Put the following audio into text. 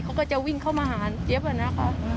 เค้าก็จะวิ่งเข้ามาหาเจ๊บแบบนั้นค่ะ